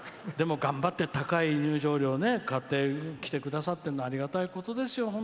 でも、頑張って高い入場料を買って来てくださってるのありがたいことですよ。